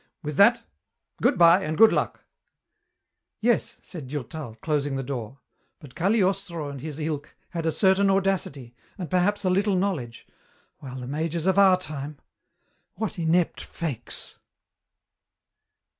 With that, good bye and good luck." "Yes," said Durtal, closing the door, "but Cagliostro and his ilk had a certain audacity, and perhaps a little knowledge, while the mages of our time what inept fakes!"